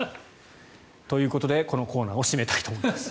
ということでこのコーナーを締めたいと思います。